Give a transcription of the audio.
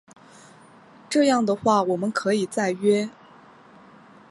这样的话我们可以再约